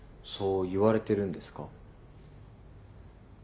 そう言われてるんですか？